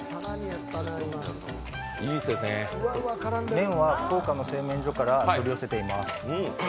麺は、福岡の製麺所から取り寄せています。